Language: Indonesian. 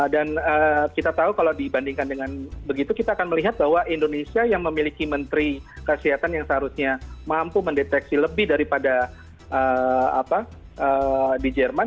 dan kita tahu kalau dibandingkan dengan begitu kita akan melihat bahwa indonesia yang memiliki menteri kesehatan yang seharusnya mampu mendeteksi lebih daripada di jerman